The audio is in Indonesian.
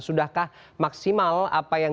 sudahkah maksimal apa yang